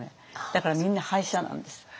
だからみんな敗者なんです。